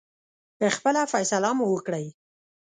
خپله فیصله مو وکړی.